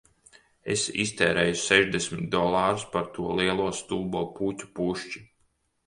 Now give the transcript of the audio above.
Es iztērēju sešdesmit dolārus par to lielo stulbo puķu pušķi